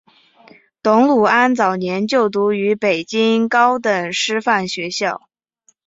董鲁安早年就读于北京高等师范学校。